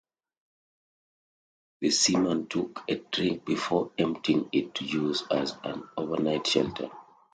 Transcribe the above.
The seaman took a drink before emptying it to use as an overnight shelter.